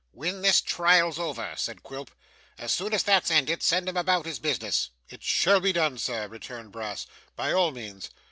'When this trial's over,' said Quilp. 'As soon as that's ended, send him about his business.' 'It shall be done, sir,' returned Brass; 'by all means.